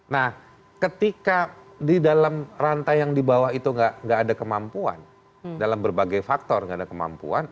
nah ketika di dalam rantai yang di bawah itu nggak ada kemampuan dalam berbagai faktor gak ada kemampuan